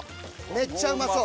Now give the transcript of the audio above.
めっちゃうまそう。